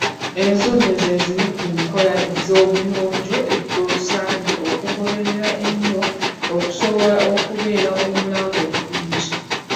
Ezo nno ze zimu ku nkola z'ebyobuyonjo z'osaanye okugoberera ennyo okusobola okubeera omulamu obulungi